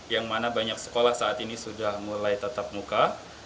yang mana banyak sekolah saat ini sudah mulai tetap muka